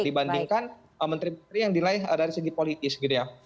dibandingkan menteri menteri yang dilaih dari segi politis gitu ya